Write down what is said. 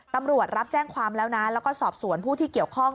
รับแจ้งความแล้วนะแล้วก็สอบสวนผู้ที่เกี่ยวข้อง